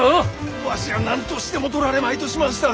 わしら何としても取られまいとしましたが。